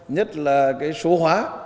nhất là cái số hóa